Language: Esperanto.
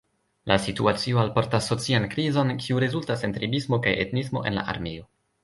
La situacio alportas socian krizon, kiu rezultas en tribismo kaj etnismo en la armeo.